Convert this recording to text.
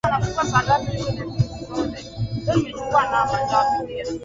Mmasy Kimaro Swai Massawe Lema Urassa Nkya Ndosi Meena hutoka MachameAkina Temu Mlaki